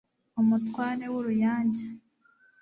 Umutware wUruyange